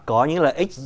có những lợi ích